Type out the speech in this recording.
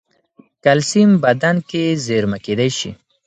کلسیم بدن کې زېرمه کېدای شي.